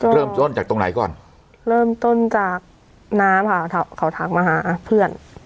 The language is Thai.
เริ่มต้นจากตรงไหนก่อนเริ่มต้นจากน้าค่ะเขาทักมาหาเพื่อน